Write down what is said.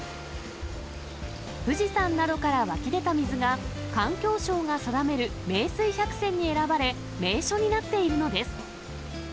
富士山などから湧き出た水が、環境省が定める名水百選に選ばれ、名所になっているのです。